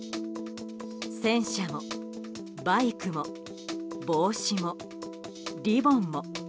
戦車も、バイクも、帽子もリボンも。